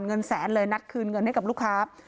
เงินแสนเลยนัดคืนเงินให้กับลูกค้า